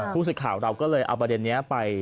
ผู้สื่อข่าวเราก็เลยเอาประเด็นนี้ไป